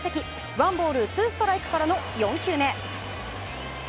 ワンボールツーストライクからの４球目。